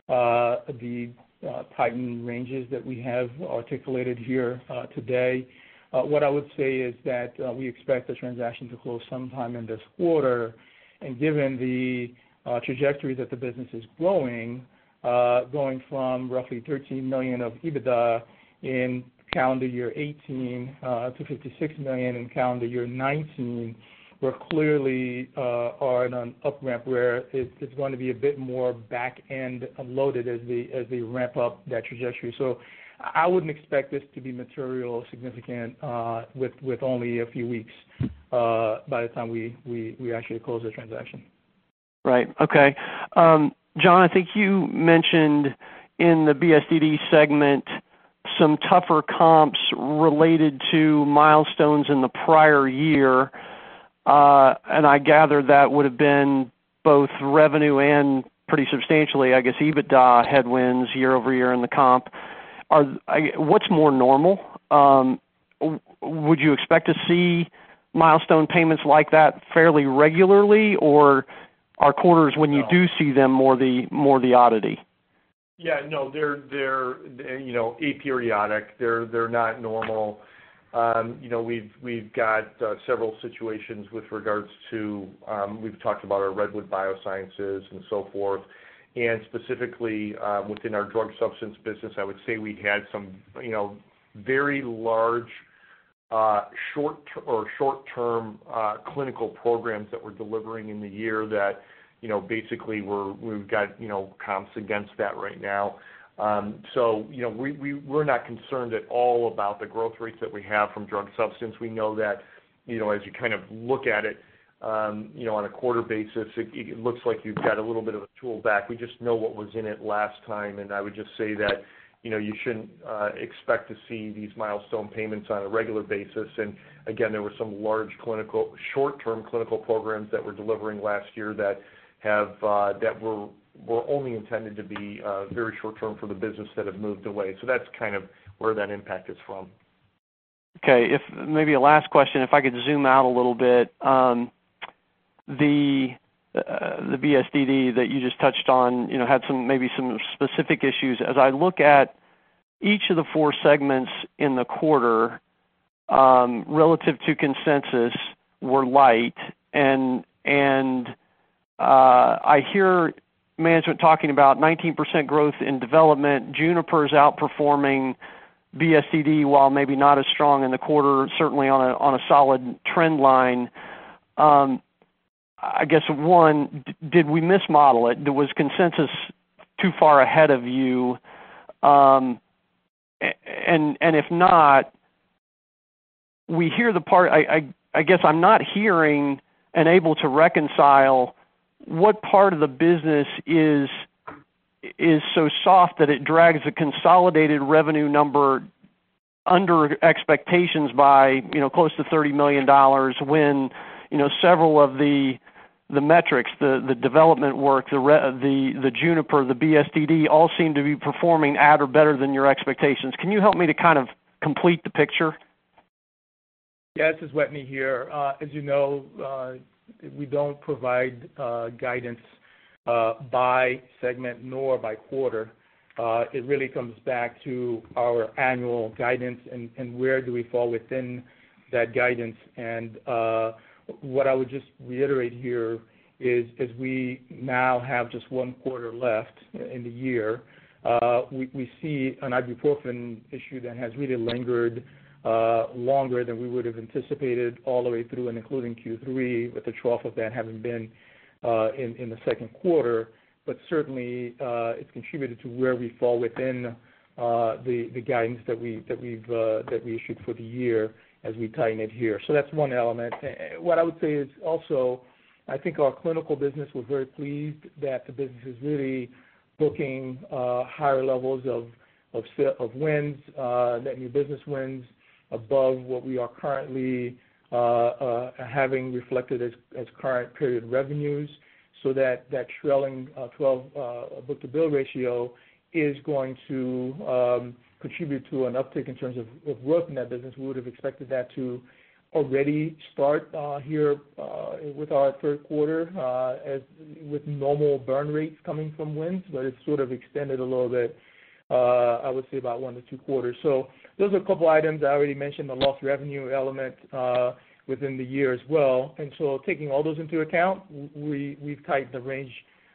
the tightened ranges that we have articulated here today. What I would say is that we expect the transaction to close sometime in this quarter. Given the trajectory that the business is growing, going from roughly $13 million of EBITDA in calendar year 2018 to $56 million in calendar year 2019, we clearly are on an upramp where it's going to be a bit more back-end loaded as they ramp up that trajectory. So I wouldn't expect this to be material significant with only a few weeks by the time we actually close the transaction. Right. Okay. John, I think you mentioned in the BSDD segment some tougher comps related to milestones in the prior year. And I gather that would have been both revenue and pretty substantially, I guess, EBITDA headwinds year-over-year in the comp. What's more normal? Would you expect to see milestone payments like that fairly regularly, or are quarters when you do see them more the oddity? Yeah. No, they're aperiodic. They're not normal. We've got several situations with regards to we've talked about our Redwood Bioscience and so forth. And specifically within our drug substance business, I would say we'd had some very large short-term clinical programs that we're delivering in the year that basically we've got comps against that right now. So we're not concerned at all about the growth rates that we have from drug substance. We know that as you kind of look at it on a quarter basis, it looks like you've got a little bit of a pullback. We just know what was in it last time. And I would just say that you shouldn't expect to see these milestone payments on a regular basis. And again, there were some large short-term clinical programs that we're delivering last year that were only intended to be very short-term for the business that have moved away. So that's kind of where that impact is from. Okay. Maybe a last question. If I could zoom out a little bit, the BSDD that you just touched on had maybe some specific issues. As I look at each of the four segments in the quarter, relative to consensus, were light, and I hear management talking about 19% growth in development. Juniper is outperforming BSDD while maybe not as strong in the quarter, certainly on a solid trend line. I guess, one, did we mismodel it? Was consensus too far ahead of you? And if not, we hear the part I guess I'm not hearing and able to reconcile what part of the business is so soft that it drags the consolidated revenue number under expectations by close to $30 million when several of the metrics, the development work, the Juniper, the BSDD, all seem to be performing at or better than your expectations. Can you help me to kind of complete the picture? Yeah. This is Wetteny here. As you know, we don't provide guidance by segment nor by quarter. It really comes back to our annual guidance and where do we fall within that guidance. And what I would just reiterate here is as we now have just one quarter left in the year, we see an ibuprofen issue that has really lingered longer than we would have anticipated all the way through and including Q3, with the trough of that having been in the second quarter. But certainly, it's contributed to where we fall within the guidance that we've issued for the year as we tighten it here. So that's one element. What I would say is also, I think our clinical business was very pleased that the business is really booking higher levels of wins, that new business wins above what we are currently having reflected as current period revenues. So that trailing 12 book-to-bill ratio is going to contribute to an uptick in terms of growth in that business. We would have expected that to already start here with our third quarter with normal burn rates coming from wins, but it's sort of extended a little bit, I would say, about one to two quarters. So those are a couple of items I already mentioned, the lost revenue element within the year as well, and so taking all those into account, we've tightened the range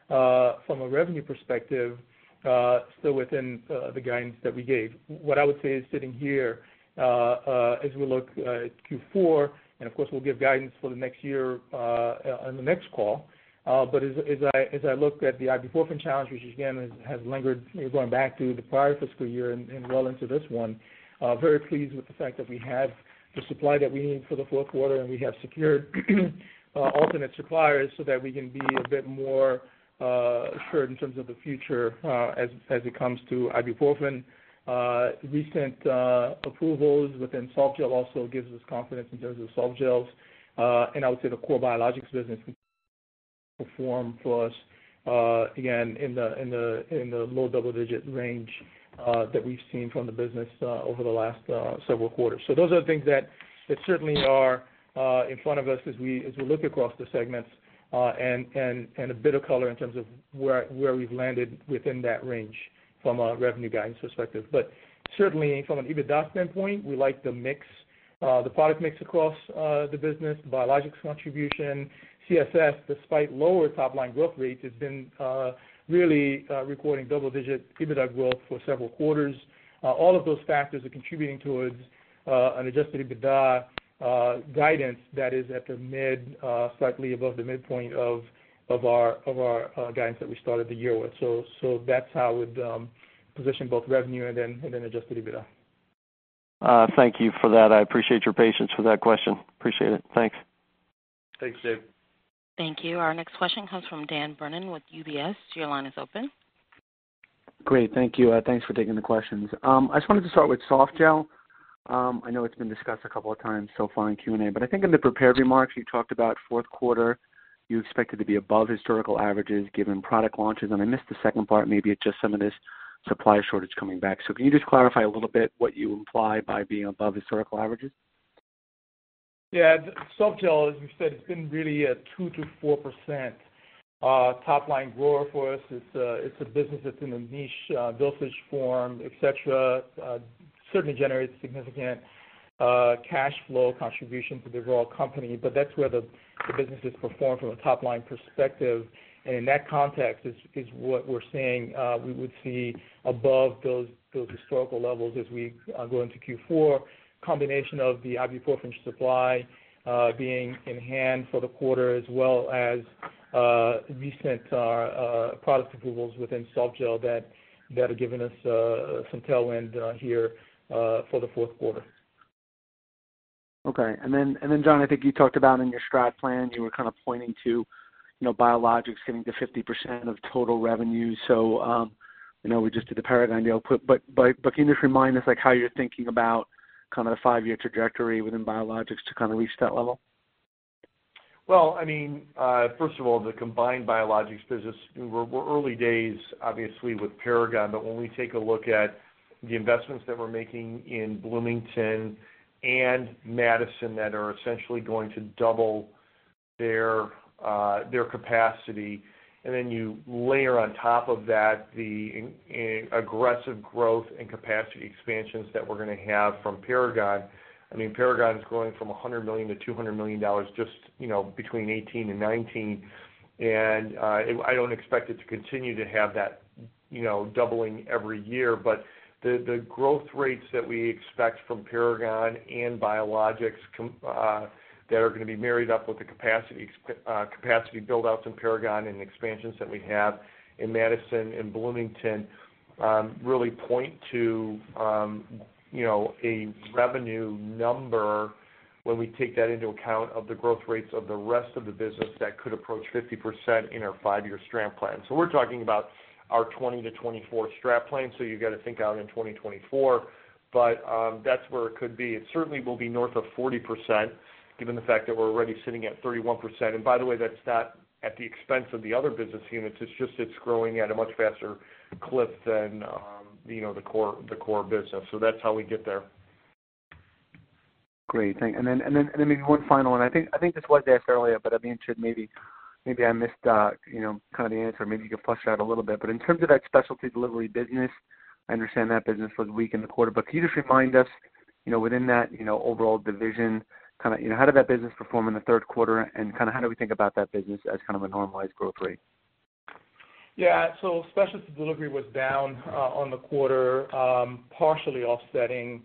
from a revenue perspective still within the guidance that we gave. What I would say is sitting here as we look at Q4, and of course, we'll give guidance for the next year on the next call. But as I look at the ibuprofen challenge, which again has lingered going back to the prior fiscal year and well into this one. Very pleased with the fact that we have the supply that we need for the fourth quarter, and we have secured alternate suppliers so that we can be a bit more assured in terms of the future as it comes to ibuprofen. Recent approvals within softgel also gives us confidence in terms of softgels. And I would say the core biologics business performed for us, again, in the low double-digit range that we've seen from the business over the last several quarters. So those are the things that certainly are in front of us as we look across the segments and a bit of color in terms of where we've landed within that range from a revenue guidance perspective. But certainly, from an EBITDA standpoint, we like the product mix across the business, the biologics contribution. CSS, despite lower top-line growth rates, has been really recording double-digit EBITDA growth for several quarters. All of those factors are contributing towards an adjusted EBITDA guidance that is slightly above the midpoint of our guidance that we started the year with. So that's how I would position both revenue and then adjusted EBITDA. Thank you for that. I appreciate your patience with that question. Appreciate it. Thanks. Thanks, Dave. Thank you. Our next question comes from Dan Brennan with UBS. Your line is open. Great. Thank you. Thanks for taking the questions. I just wanted to start with softgel. I know it's been discussed a couple of times so far in Q&A, but I think in the prepared remarks, you talked about fourth quarter, you expected to be above historical averages given product launches. And I missed the second part. Maybe it's just some of this supply shortage coming back. So can you just clarify a little bit what you imply by being above historical averages? Yeah. Softgel, as we said, it's been really a 2%-4% top-line grower for us. It's a business that's in a niche dosage form, etc., certainly generates significant cash flow contribution to the overall company. But that's where the business has performed from a top-line perspective. And in that context is what we're seeing. We would see above those historical levels as we go into Q4, combination of the ibuprofen supply being in hand for the quarter as well as recent product approvals within softgel that have given us some tailwind here for the fourth quarter. Okay. And then, John, I think you talked about in your strat plan, you were kind of pointing to biologics getting to 50% of total revenue. So we just did the Paragon deal. But can you just remind us how you're thinking about kind of the five-year trajectory within biologics to kind of reach that level? Well, I mean, first of all, the combined biologics business, we're early days, obviously, with Paragon. But when we take a look at the investments that we're making in Bloomington and Madison that are essentially going to double their capacity, and then you layer on top of that the aggressive growth and capacity expansions that we're going to have from Paragon, I mean, Paragon is growing from $100 million to $200 million just between 2018 and 2019. And I don't expect it to continue to have that doubling every year. But the growth rates that we expect from Paragon and biologics that are going to be married up with the capacity build-outs in Paragon and the expansions that we have in Madison and Bloomington really point to a revenue number when we take that into account of the growth rates of the rest of the business that could approach 50% in our five-year strategic plan. So we're talking about our 2020-2024 strategic plan. So you've got to think out in 2024. But that's where it could be. It certainly will be north of 40% given the fact that we're already sitting at 31%. And by the way, that's not at the expense of the other business units. It's just it's growing at a much faster clip than the core business. So that's how we get there. Great. Thanks. And then maybe one final one. I think this was asked earlier, but I'd be interested. Maybe I missed kind of the answer. Maybe you could flesh that a little bit. But in terms of that specialty delivery business, I understand that business was weak in the quarter. But can you just remind us within that overall division, kind of how did that business perform in the third quarter? Kind of how do we think about that business as kind of a normalized growth rate? Yeah. Specialty delivery was down on the quarter, partially offsetting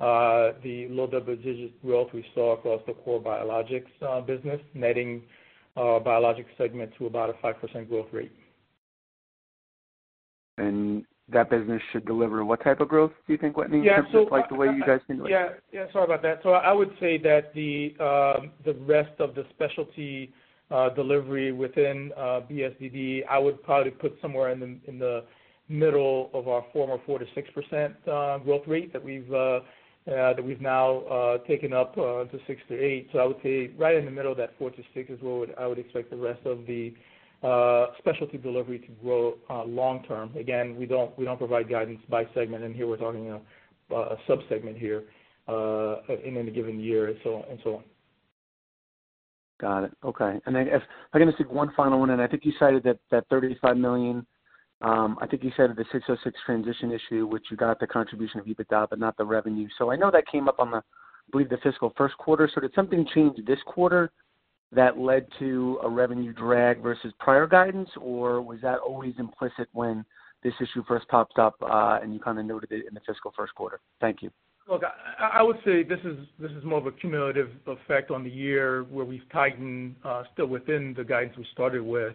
the low double-digit growth we saw across the core biologics business, netting biologics segment to about a 5% growth rate. That business should deliver what type of growth, do you think, Wetteny? In terms of the way you guys think? Yeah. Yeah. Sorry about that. I would say that the rest of the specialty delivery within BSDD, I would probably put somewhere in the middle of our former 4%-6% growth rate that we've now taken up to 6%-8%. I would say right in the middle of that 4%-6% is where I would expect the rest of the specialty delivery to grow long-term. Again, we don't provide guidance by segment. And here we're talking a subsegment here in any given year and so on. Got it. Okay. And then if I can just take one final one. And I think you cited that $35 million. I think you cited the 606 transition issue, which you got the contribution of EBITDA, but not the revenue. So I know that came up on the, I believe, the fiscal first quarter. So did something change this quarter that led to a revenue drag versus prior guidance? Or was that always implicit when this issue first popped up and you kind of noted it in the fiscal first quarter? Thank you. Look, I would say this is more of a cumulative effect on the year where we've tightened still within the guidance we started with,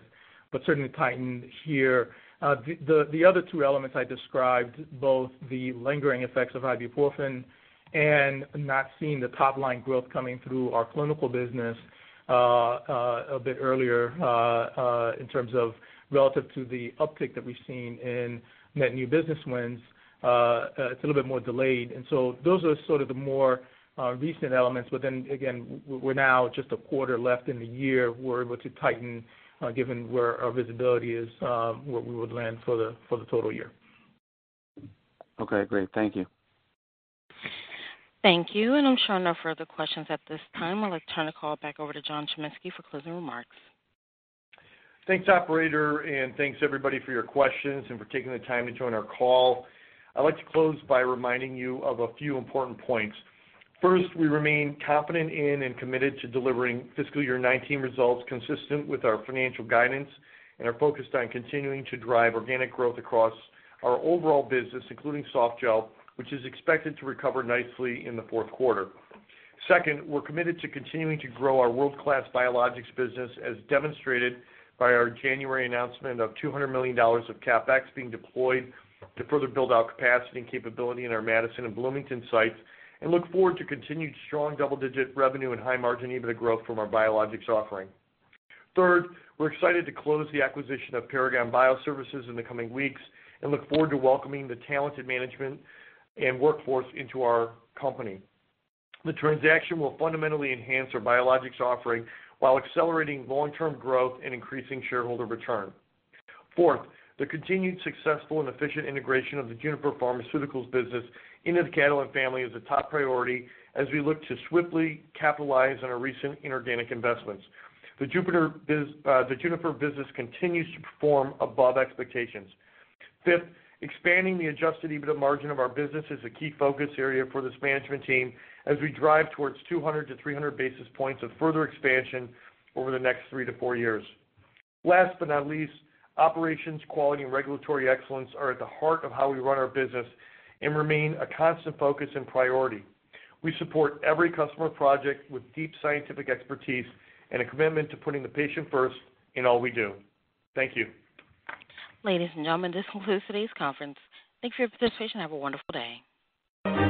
but certainly tightened here. The other two elements I described, both the lingering effects of ibuprofen and not seeing the top-line growth coming through our clinical business a bit earlier in terms of relative to the uptick that we've seen in net new business wins, it's a little bit more delayed. And so those are sort of the more recent elements. But then again, we're now just a quarter left in the year. We're able to tighten given where our visibility is, where we would land for the total year. Okay. Great. Thank you. Thank you. And I'm sure no further questions at this time. I'll turn the call back over to John Chiminski for closing remarks. Thanks, operator. And thanks, everybody, for your questions and for taking the time to join our call. I'd like to close by reminding you of a few important points. First, we remain confident in and committed to delivering fiscal year 2019 results consistent with our financial guidance and are focused on continuing to drive organic growth across our overall business, including softgel, which is expected to recover nicely in the fourth quarter. Second, we're committed to continuing to grow our world-class biologics business as demonstrated by our January announcement of $200 million of CapEx being deployed to further build our capacity and capability in our Madison and Bloomington sites and look forward to continued strong double-digit revenue and high margin EBITDA growth from our biologics offering. Third, we're excited to close the acquisition of Paragon Bioservices in the coming weeks and look forward to welcoming the talented management and workforce into our company. The transaction will fundamentally enhance our biologics offering while accelerating long-term growth and increasing shareholder return. Fourth, the continued successful and efficient integration of the Juniper Pharmaceuticals business into the Catalent family is a top priority as we look to swiftly capitalize on our recent inorganic investments. The Juniper business continues to perform above expectations. Fifth, expanding the Adjusted EBITDA margin of our business is a key focus area for this management team as we drive towards 200-300 basis points of further expansion over the next three-four years. Last but not least, operations, quality, and regulatory excellence are at the heart of how we run our business and remain a constant focus and priority. We support every customer project with deep scientific expertise and a commitment to putting the patient first in all we do. Thank you. Ladies and gentlemen, this concludes today's conference. Thank you for your participation. Have a wonderful day.